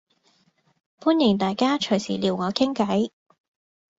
歡迎大家隨時撩我傾計